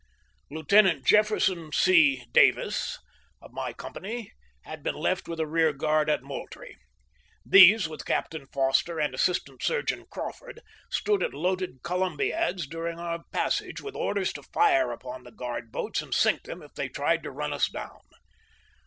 Lieutenant Jefferson C. Davis of my company had been left with a rear guard at Moultrie. These, with Captain Foster and Assistant Surgeon Craw ford, stood at loaded columbiads during our passage, with orders to fire upon the guard boats and sink them if they tried to run us down.